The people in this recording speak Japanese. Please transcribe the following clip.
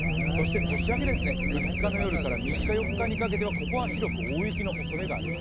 年明け、２日の夜から３日、４日にかけは広く大雪の可能性があります。